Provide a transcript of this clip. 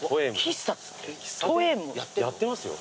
やってますよ。